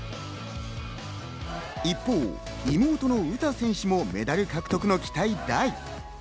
一方、妹の詩選手もメダル獲得の期待大。